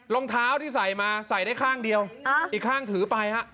รองเท้าที่ใส่มาใส่ได้ข้างเดียวอีกข้างถือไปฮะ